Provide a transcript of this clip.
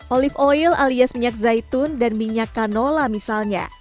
olive oil alias minyak zaitun dan minyak canola misalnya